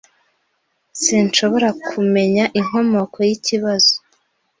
Sinshobora kumenya inkomoko yikibazo.